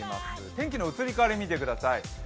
天気の移り変わり、見てください。